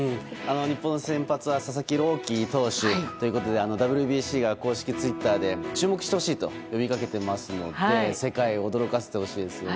日本の先発は佐々木朗希投手ということでＷＢＣが公式ツイッターで注目してほしいと呼びかけていますので世界を驚かせてほしいですね。